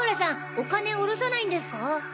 お金おろさないんですか？